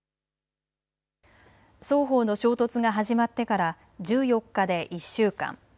双方の衝突が始まってから１４日で１週間。